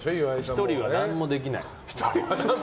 １人は何もできない。